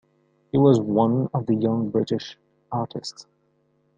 He was one of the Young British Artists.